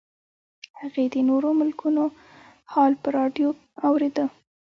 هغې د نورو ملکونو حال په راډیو اورېده